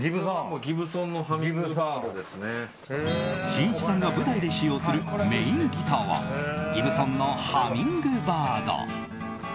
しんいちさんが舞台で使用するメインギターはギブソンのハミングバード。